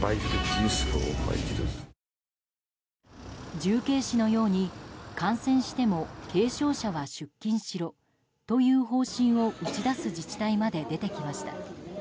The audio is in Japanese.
重慶市のように、感染しても軽症者は出勤しろという方針を打ち出す自治体まで出てきました。